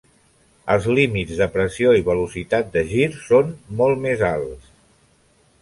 Els límits de pressió i velocitat de gir són molt més alts.